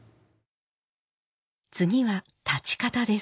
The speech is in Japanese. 次は立ち方です。